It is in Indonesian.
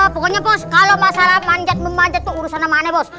pokoknya bos kalo masalah manjat memanjat tuh urusan namanya bos